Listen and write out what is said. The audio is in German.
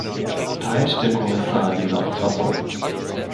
Teilt der Kommissar diese Auffassung?